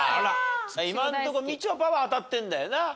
今のところみちょぱは当たってるんだよな